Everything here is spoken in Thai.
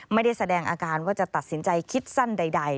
ไม่ได้แสดงอาการว่าจะตัดสินใจคิดสั้นใด